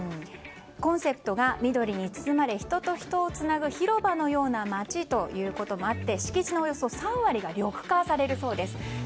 コンセプトが緑に包まれ人と人をつなぐ広場のような街ということもあって敷地のおよそ３割が緑化されるそうです。